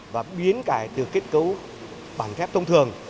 và biến cải từ kết cấu bàn ghép thông thường